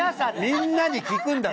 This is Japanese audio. みんなに聞くんだから。